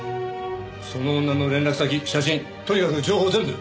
その女の連絡先写真とにかく情報を全部。